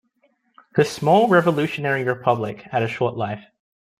The small revolutionary republic had a short life.